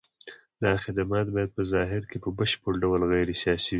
دا خدمات باید په ظاهر کې په بشپړ ډول غیر سیاسي وي.